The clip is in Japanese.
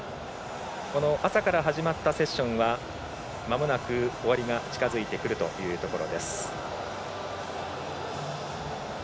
朝から始まったセッションはまもなく終わりが近づいてくるというところです。